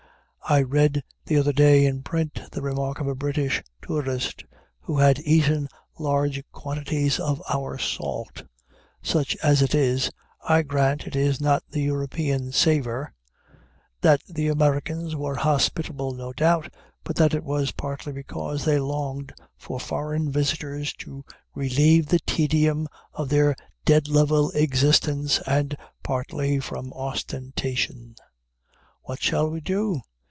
I read the other day in print the remark of a British tourist who had eaten large quantities of our salt, such as it is (I grant it has not the European savor), that the Americans were hospitable, no doubt, but that it was partly because they longed for foreign visitors to relieve the tedium of their dead level existence, and partly from ostentation. What shall we do?